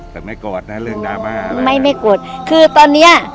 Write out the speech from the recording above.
แต่ไม่โกรธนะเรื่องดราม่าไม่ไม่โกรธคือตอนเนี้ย